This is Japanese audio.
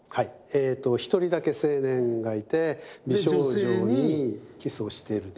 えっと１人だけ青年がいて美少女にキスをしているという。